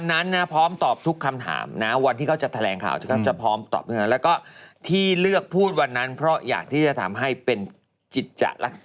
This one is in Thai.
นาวินต้าหรือเปล่าเนี่ย